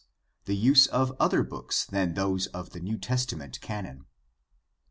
The use of other books than those of the New Testa ment canon.